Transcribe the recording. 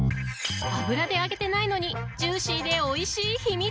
［油で揚げてないのにジューシーでおいしい秘密］